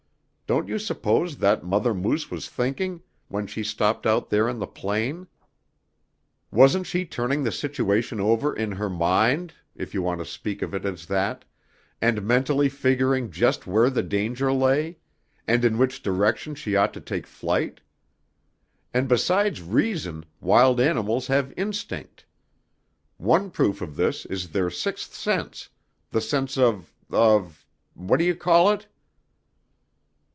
Don't you suppose that mother moose was thinking when she stopped out there in the plain? Wasn't she turning the situation over in her mind, if you want to speak of it as that, and mentally figuring just where the danger lay, and in which direction she ought to take flight? And besides reason wild animals have instinct. One proof of this is their sixth sense; the sense of of what do you call it?"